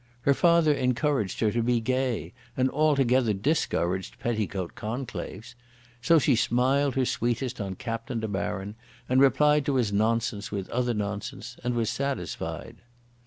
Her father encouraged her to be gay, and altogether discouraged petticoat conclaves. So she smiled her sweetest on Captain De Baron, and replied to his nonsense with other nonsense, and was satisfied.